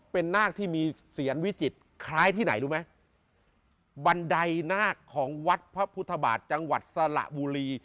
เป็นนาคที่มีเสียนวิจิตรคล้ายที่ไหนรู้ไหมบันไดนาคของวัดพระพุทธบาทจังหวัดสระบุรี